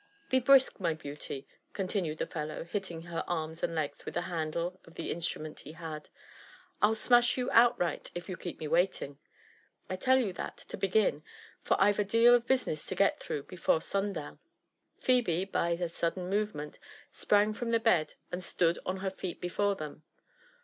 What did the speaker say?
Be brisk,, my beauty," con tinued the fellow, hitting. ber arms and tegs with the handle of the in strument he held ;'' I'll smash you outright if you keep dm waking ; I tell you that to begin, for I've a deal of business to get Uirou^ before sun down." Phebe by a sudden movement sprang from the bed and steed on her feet before them.